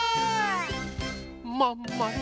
まんまる